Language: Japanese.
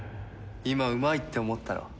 今うまいって思ったろ？